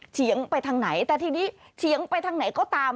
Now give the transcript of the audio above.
เฉียงไปทางไหนแต่ทีนี้เฉียงไปทางไหนก็ตาม